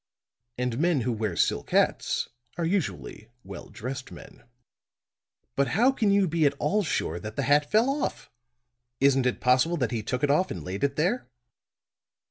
And men who wear silk hats are usually well dressed men." "But how can you be at all sure that the hat fell off? Isn't it possible that he took it off and laid it there?"